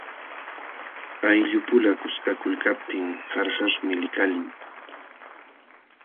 Ayllupula kuskakulkaptin qarqaśhmi likalin.